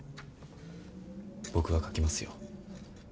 僕は書きますよ。